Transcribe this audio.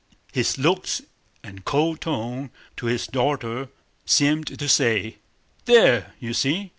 His looks and cold tone to his daughter seemed to say: "There, you see?